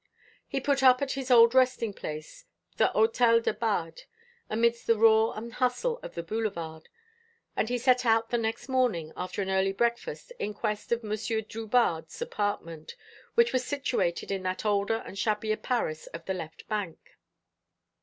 He put up at his old resting place, the Hôtel de Bade, amidst the roar and hustle of the Boulevard; and he set out the next morning after an early breakfast in quest of Monsieur Drubarde's apartment, which was situated in that older and shabbier Paris of the left bank.